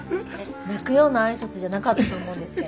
泣くような挨拶じゃなかったと思うんですけど。